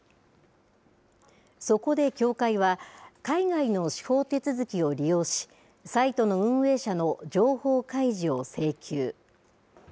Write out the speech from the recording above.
そこで協会は海外の司法手続きを利用しサイトの運営者の情報開示を請求。